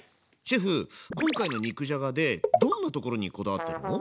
シェフ今回の肉じゃがでどんなところにこだわってるの？